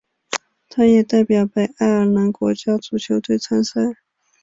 他也代表北爱尔兰国家足球队参赛。